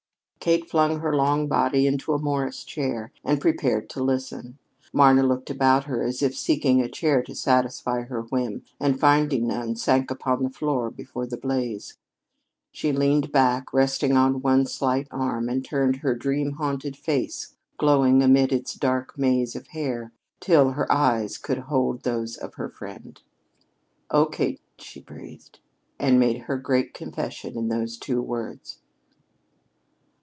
Kate flung her long body into a Morris chair and prepared to listen. Marna looked about her as if seeking a chair to satisfy her whim, and, finding none, sank upon the floor before the blaze. She leaned back, resting on one slight arm, and turned her dream haunted face glowing amid its dark maze of hair, till her eyes could hold those of her friend. "Oh, Kate!" she breathed, and made her great confession in those two words.